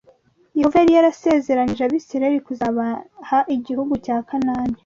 Yehova yari yarasezeranyije Abisirayeli kuzabaha igihugu cya Kanani